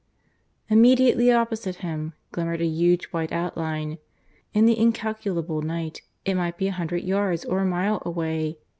Immediately opposite him glimmered a huge white outline in the incalculable night it might be a hundred yards or a mile away.